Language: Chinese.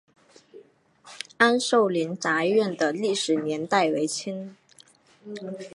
安寿林宅院的历史年代为清。